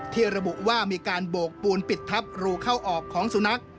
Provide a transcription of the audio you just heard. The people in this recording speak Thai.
ระบุว่ามีการโบกปูนปิดทับรูเข้าออกของสุนัข